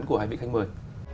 của hai vị khách mời